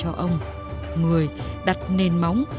cho ông người đặt nền móng